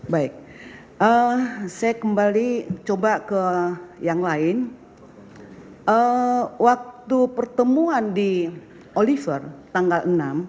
baik saya kembali coba ke yang lain waktu pertemuan di oliver tanggal enam